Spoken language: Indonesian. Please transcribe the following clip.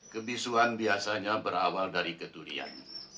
kebisuan biasanya berawal dari kedulian